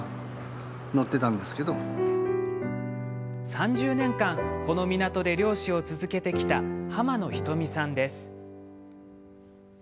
３０年間、この港で漁師を続けてきた、濱野仁己さんです。